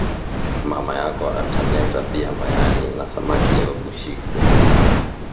Mama yako ata leta bia mayani na samaki leo bushiku